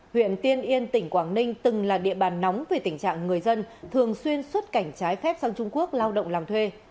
huyện tiên yên tỉnh quảng ninh từng là địa bàn nóng về tình trạng người dân thường xuyên xuất cảnh trái phép sang trung quốc lao động làm thuê